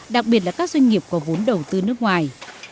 đặc biệt là các doanh nghiệp có vốn đầu tư nước ngoài